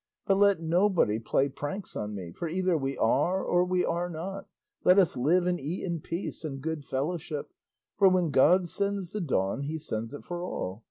But let nobody play pranks on me, for either we are or we are not; let us live and eat in peace and good fellowship, for when God sends the dawn, he sends it for all.